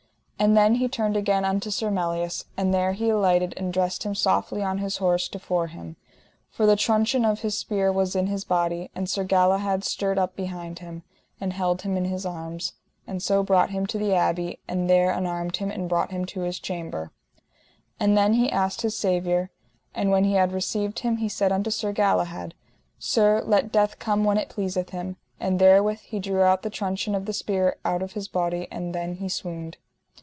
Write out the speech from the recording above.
And then he turned again unto Sir Melias, and there he alighted and dressed him softly on his horse to fore him, for the truncheon of his spear was in his body; and Sir Galahad stert up behind him, and held him in his arms, and so brought him to the abbey, and there unarmed him and brought him to his chamber. And then he asked his Saviour. And when he had received Him he said unto Sir Galahad: Sir, let death come when it pleaseth him. And therewith he drew out the truncheon of the spear out of his body: and then he swooned.